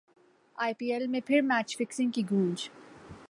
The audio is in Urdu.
ائی پی ایل میں پھر میچ فکسنگ کی گونج